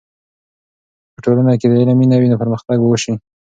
که ټولنې کې د علم مینه وي، نو پرمختګ به وسي.